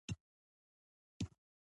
احساس کاوه یو ساعت یا نیمه ورځ ویده شوي.